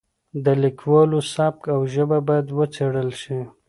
د لیکوالو سبک او ژبه باید وڅېړل شي.